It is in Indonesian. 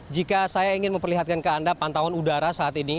jika saya ingin memperlihatkan ke anda pantauan udara saat ini